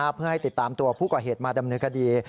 เพื่อให้ติดตามตัวผู้ก่อเหตุมาดำเนินคดี